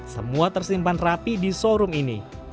semua tersimpan rapi di showroom ini